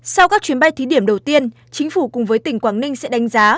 sau các chuyến bay thí điểm đầu tiên chính phủ cùng với tỉnh quảng ninh sẽ đánh giá